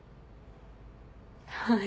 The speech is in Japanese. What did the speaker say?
はい。